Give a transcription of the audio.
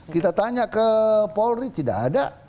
kita tanya ke polri tidak ada